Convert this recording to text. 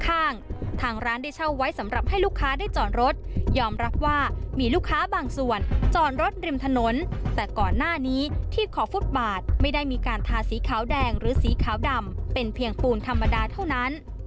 ทางร้านได้เช่าไว้สำหรับให้ลูกค้าได้จอดรถยอมรับว่ามีลูกค้าบางส่วนจอดรถริมถนนแต่ก่อนหน้านี้ที่ขอฟุตบาทไม่ได้มีการทาสีขาวแดงหรือสีขาวดำเป็นเพียงปูนธรรมดาเท่านั้น